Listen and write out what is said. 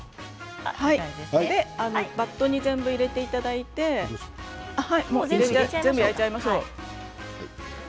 バットに全部入れていただいて全部、焼いちゃいましょう。